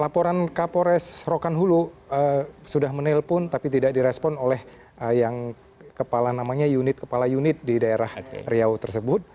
laporan kapolres rokan hulu sudah menelpon tapi tidak direspon oleh yang kepala namanya unit kepala unit di daerah riau tersebut